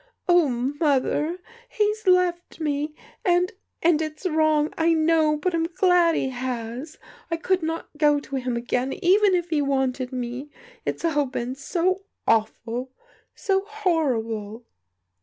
"Oh, Mother, he's left me! and — and it's wrong, I know, — ^but I'm glad he has! I could not go to him again even if he wanted me. It's all been so awful, so horrible